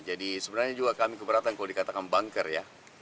jadi sebenarnya juga kami keberatan kalau dikatakan bunker ya